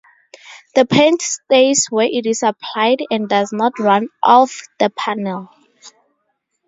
The paint stays where it is applied and does not run off the panel.